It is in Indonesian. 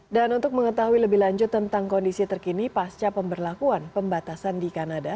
dan untuk mengetahui lebih lanjut tentang kondisi terkini pasca pemberlakuan pembatasan di kanada